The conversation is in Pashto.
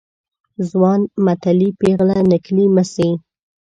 ځوان متلي ، پيغله نکلي مه سي.